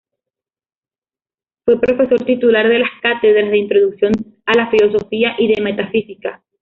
Fue Profesor Titular de las cátedras de Introducción a la Filosofía y de Metafísica.